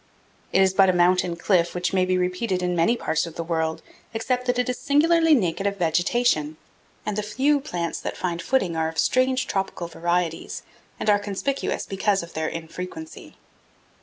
It is but a mountain cliff which may be repeated in many parts of the world, except that it is singularly naked of vegetation, and the few plants that find footing are of strange tropical varieties and are conspicuous because of their infrequency.